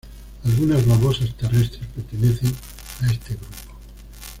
Algunas babosas terrestres pertenecen a este grupo.